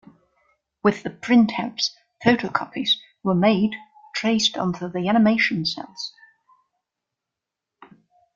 With the print outs, photocopies were made traced onto the animation cels.